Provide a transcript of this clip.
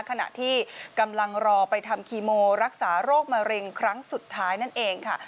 ขณะที่กำลังรอไปทำคีโมรักษาโรคมะเร็งครั้งสุดท้ายนั่นเองค่ะ